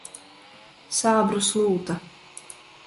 Sābru slūta.